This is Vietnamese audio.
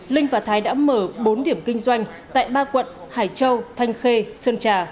linh và thái đã mở bốn điểm kinh doanh tại ba quận hải châu thanh khê sơn trà